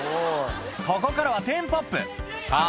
ここからはテンポアップさぁ